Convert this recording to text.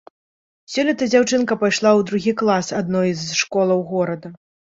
Сёлета дзяўчынка пайшла ў другі клас адной з школаў горада.